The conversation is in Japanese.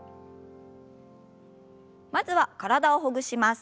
まずは体をほぐします。